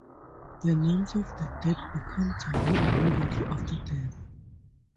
The names of the dead become taboo immediately after death.